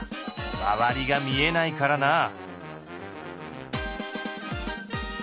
周りが見えないからなあ。